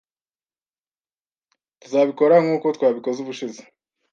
Tuzabikora nkuko twabikoze ubushize